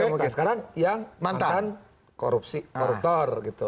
oke sekarang yang mantan koruptor